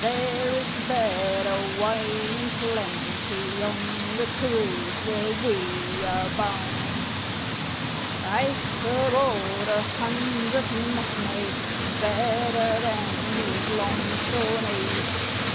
There is better wine in plenty On the cruise where we are bound. I've aboard a hundred messmates Better than these 'long shore knaves.